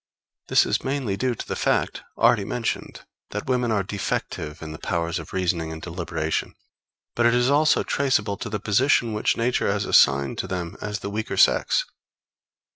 This is mainly due to the fact, already mentioned, that women are defective in the powers of reasoning and deliberation; but it is also traceable to the position which Nature has assigned to them as the weaker sex.